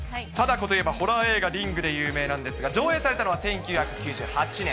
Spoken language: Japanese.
貞子といえばホラー映画、リングで有名なんですが、上映されたのは１９９８年。